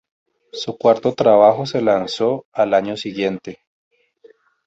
Su cuarto trabajo se lanzó al año siguiente.